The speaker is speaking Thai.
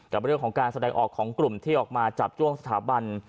กับเรื่องของการแสดงออกของกลุ่มที่ออกมาจับจ้วงสถาบัน